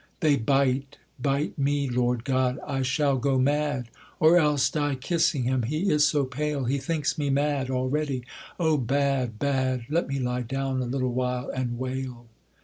They bite: bite me, Lord God! I shall go mad, Or else die kissing him, he is so pale, He thinks me mad already, O bad! bad! Let me lie down a little while and wail.'